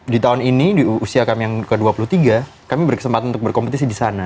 di tahun ini di usia kami yang ke dua puluh tiga kami berkesempatan untuk berkompetisi di sana